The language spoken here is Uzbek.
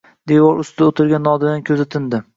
Devor ustida o‘tirgan Nodirning ko‘zi tindi.